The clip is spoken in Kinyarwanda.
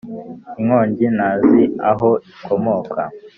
Inkongi ntazi aho ikomoka